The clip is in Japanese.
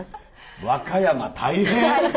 和歌山大変！